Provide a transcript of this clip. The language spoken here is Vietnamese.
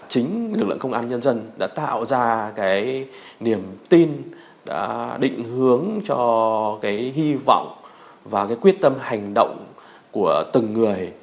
chính lực lượng công an nhân dân đã tạo ra cái niềm tin đã định hướng cho cái hy vọng và cái quyết tâm hành động của từng người